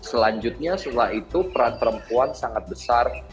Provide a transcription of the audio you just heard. dan selanjutnya setelah itu peran perempuan sangat besar